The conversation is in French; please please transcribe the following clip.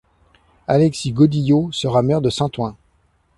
Alexis Godillot sera maire de Saint-Ouen.